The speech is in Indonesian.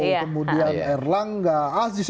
kemudian erlangga aziz